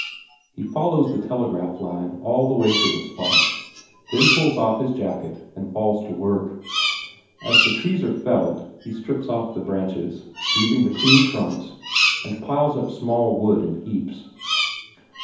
He follows the telegraph line all the way to the spot, then pulls off his jacket and falls to work. As the trees are felled, he strips off the branches, leaving the clean trunks, and piles up the small wood in heaps.